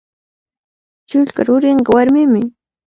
Shullka churinqa warmimi.